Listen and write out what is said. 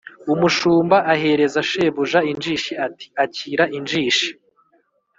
umushumba ahereza shebuja injishi, ati: “akira injishi”,